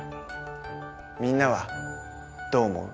みんなはどう思う？